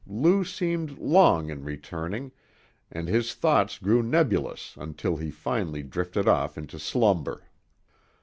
Lou seemed long in returning, and his thoughts grew nebulous until he finally drifted off into slumber.